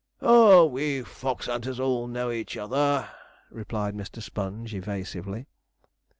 'Oh, we fox hunters all know each other,' replied Mr. Sponge evasively.